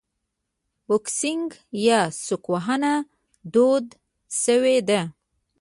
بوکسینګ یا سوک وهنه دود شوې ده.